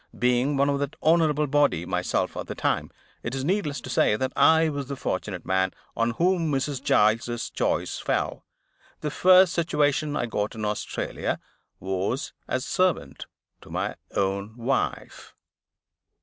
Being one of that honorable body myself at the time, it is needless to say that I was the fortunate man on whom Mrs. Giles's choice fell. The first situation I got in Australia was as servant to my own wife.